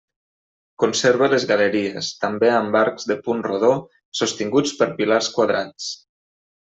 Conserva les galeries, també amb arcs de punt rodó, sostinguts per pilars quadrats.